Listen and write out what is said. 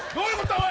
おい。